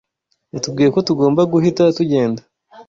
Yatubwiye ko tugomba guhita tugenda.